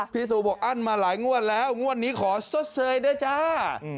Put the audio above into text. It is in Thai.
ซูบอกอั้นมาหลายงวดแล้วงวดนี้ขอสดเซยด้วยจ้า